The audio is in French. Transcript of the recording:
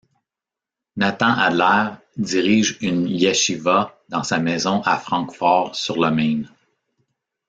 Nathan Adler dirige une Yechiva dans sa maison à Francfort-sur-le-Main.